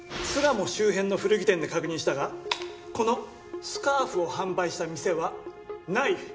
巣鴨周辺の古着店で確認したがこのスカーフを販売した店はない。